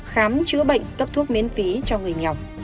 khám chữa bệnh tấp thuốc miễn phí cho người nhọc